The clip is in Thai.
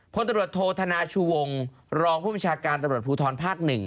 พลตรวจโทษธนาชุวงศ์รองผู้มีชาการตรวจภูทรภาค๑